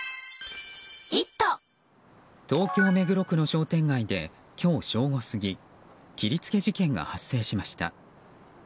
東京・目黒区の商店街で今日正午過ぎ切りつけ事件が発生しました。